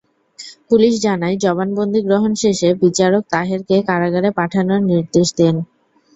Police জানায়, জবানবন্দি গ্রহণ শেষে বিচারক তাহেরকে কারাগারে পাঠানোর নির্দেশ দেন।